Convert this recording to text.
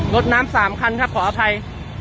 รถน้ำ๓คันครับขออภัย